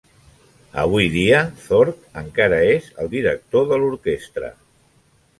Avui dia, Thorpe encara és el director de l'orquestra.